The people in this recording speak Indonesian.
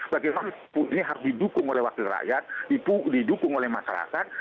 bagi perpu ini harus didukung oleh wakil rakyat didukung oleh masyarakat